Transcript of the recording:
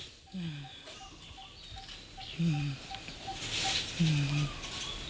ที่นี่เขาจะได้เรียกชื่อแม่ถูก